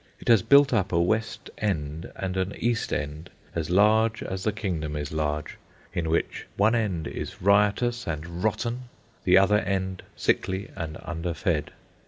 It has built up a West End and an East End as large as the Kingdom is large, in which one end is riotous and rotten, the other end sickly and underfed.